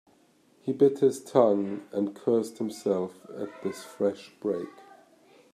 He bit his tongue, and cursed himself at this fresh break.